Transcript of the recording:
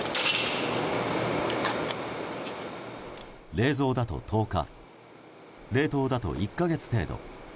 冷蔵だと１０日冷凍だと１か月程度。